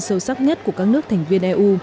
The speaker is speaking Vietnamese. sâu sắc nhất của các nước thành viên eu